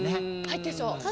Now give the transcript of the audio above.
入ってそう。